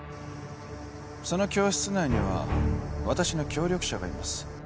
その教室内には私の協力者がいます